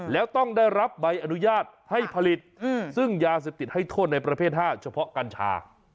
แล้วต้องได้รับใบอนุญาตให้ผลิตซึ่งยาเสพติดให้โทษในประเภท๕เฉพาะกัญชา